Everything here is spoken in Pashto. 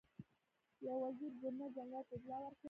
یو وزیر ګورنر جنرال ته اطلاع ورکړه.